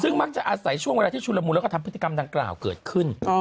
ซึ่งมักจะอาศัยช่วงเวลาที่ชุลมุนแล้วก็ทำพฤติกรรมดังกล่าวเกิดขึ้น